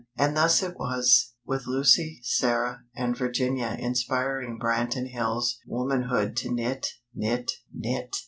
And thus it was; with Lucy, Sarah and Virginia inspiring Branton Hills' womanhood to knit, knit, knit!